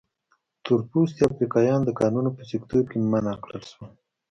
تور پوستي افریقایان د کانونو په سکتور کې منع کړل شول.